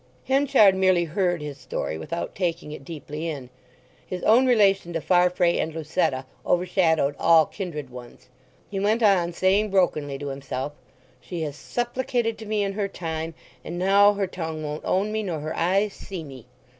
Henchard merely heard his story, without taking it deeply in. His own relation to Farfrae and Lucetta overshadowed all kindred ones. He went on saying brokenly to himself, "She has supplicated to me in her time; and now her tongue won't own me nor her eyes see me!...